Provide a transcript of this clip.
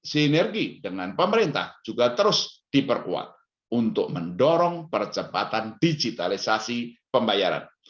sinergi dengan pemerintah juga terus diperkuat untuk mendorong percepatan digitalisasi pembayaran